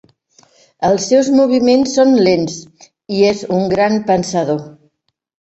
Els seus moviments són lents, i és un gran pensador.